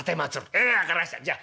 へい分かりましたじゃあ